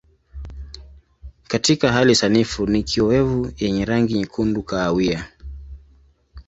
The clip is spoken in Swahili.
Katika hali sanifu ni kiowevu yenye rangi nyekundu kahawia.